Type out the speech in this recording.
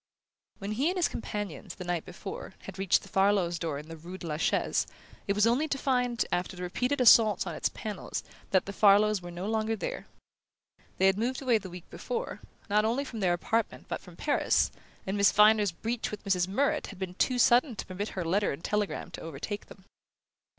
When he and his companion, the night before, had reached the Farlows' door in the rue de la Chaise, it was only to find, after repeated assaults on its panels, that the Farlows were no longer there. They had moved away the week before, not only from their apartment but from Paris; and Miss Viner's breach with Mrs. Murrett had been too sudden to permit her letter and telegram to overtake them.